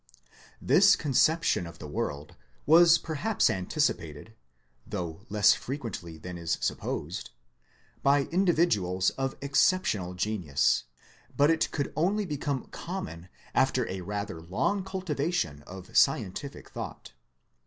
This con ception of the world was perhaps anticipated (though less frequently than is often supposed) by individuals of exceptional genius, but it could only become common after a rather long cultivation of scientific thought.